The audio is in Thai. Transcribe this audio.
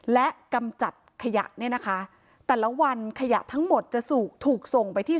และกำจัดขยะเนี่ยนะคะแต่ละวันขยะทั้งหมดจะถูกถูกส่งไปที่